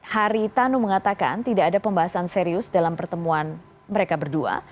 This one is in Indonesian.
hari tanu mengatakan tidak ada pembahasan serius dalam pertemuan mereka berdua